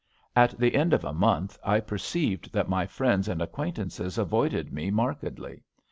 At the end of a month I perceived that my friends and acquaintances avoided me markedly.